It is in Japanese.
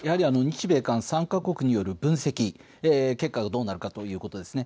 日米韓３か国による分析結果がどうなるかということです。